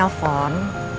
dia cerita kata reina